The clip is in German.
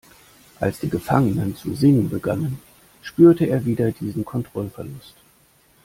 Als die Gefangenen zu singen begannen, spürte er wieder diesen Kontrollverlust.